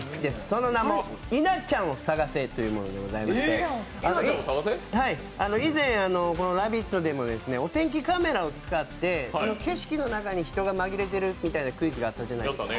その名も「稲ちゃんを探せ！」というものでございまして、以前、「ラヴィット！」でもお天気カメラを使って景色の中に人が紛れてるというようなクイズがあったじゃないですか。